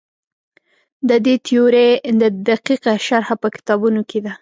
د دې تیورۍ دقیقه شرحه په کتابونو کې ده.